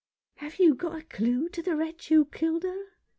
" Have you got a clue to the wretch who killed her